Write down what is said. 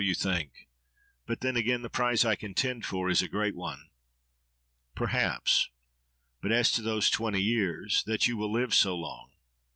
you think. But then, again, the prize I contend for is a great one. —Perhaps! But as to those twenty years—that you will live so long.